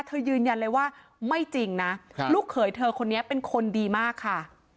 ยืนยันเลยว่าไม่จริงนะลูกเขยเธอคนนี้เป็นคนดีมากค่ะ